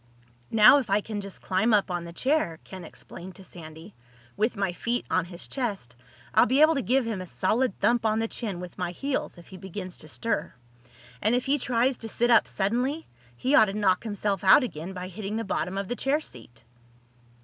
"Now if I can just climb up on the chair," Ken explained to Sandy, "with my feet on his chest, I'll be able to give him a solid thump on the chin with my heels if he begins to stir. And if he tries to sit up suddenly he ought to knock himself out again by hitting the bottom of the chair seat."